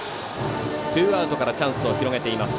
ツーアウトからチャンスを広げています。